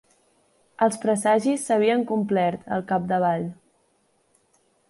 Els presagis s'havien complert, al capdavall.